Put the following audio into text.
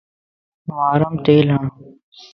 واريم تيل ھڻ